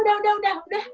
udah udah udah udah